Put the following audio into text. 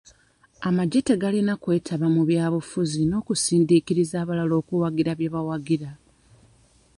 Amagye tegalina kwetaba mu bya bufuzi n'okusindiikiriza abalala okuwagira bye bawagira.